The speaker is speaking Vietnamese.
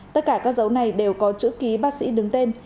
tất cả các dấu này đều có chữ ký bác sĩ đứng tên